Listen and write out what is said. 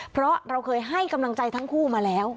เพราะเราเคยให้กำลังใจทั้งคู่มาแล้ว